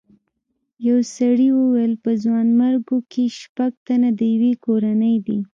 یو سړي وویل په ځوانیمرګو کې شپږ تنه د یوې کورنۍ دي.